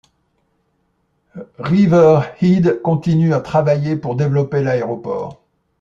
Riverhead continue à travailler pour développer l'aéroport.